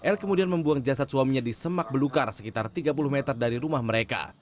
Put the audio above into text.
l kemudian membuang jasad suaminya di semak belukar sekitar tiga puluh meter dari rumah mereka